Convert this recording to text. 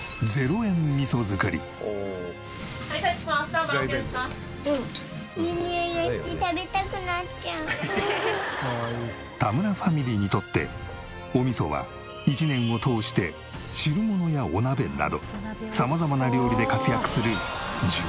そう田村ファミリーにとってお味噌は１年を通して汁物やお鍋など様々な料理で活躍する。